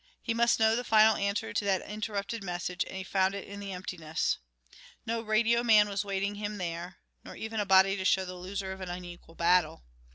He must know the final answer to that interrupted message, and he found it in emptiness. No radio man was waiting him there, nor even a body to show the loser of an unequal battle.